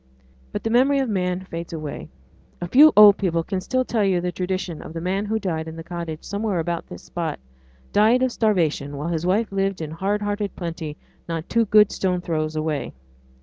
But the memory of man fades away. A few old people can still tell you the tradition of the man who died in a cottage somewhere about this spot, died of starvation while his wife lived in hard hearted plenty not two good stone throws away.